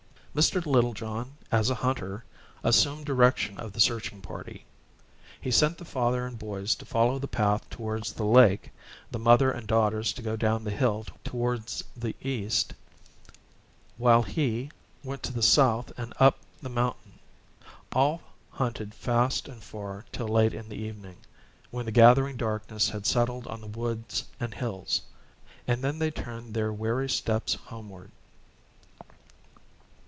Mr. Littlejohn, as a hunter, assumed direction of the searching party. He sent the father and boys to follow the path towards the lake, the mother and daughters to go down the hill towards the east, while he went to the south and up the mountain. All hunted fast and far till late in the evening, when the gathering darkness had settled on the woods and hills; and then they turned their weary steps homeward.